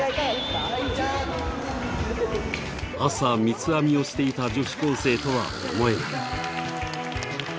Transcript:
朝、三つ編みをしていた女子高生とは思えない。